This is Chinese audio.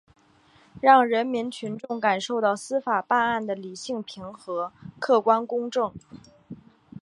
让人民群众感受到司法办案的理性平和、客观公正